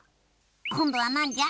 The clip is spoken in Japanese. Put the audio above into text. こんどはなんじゃ？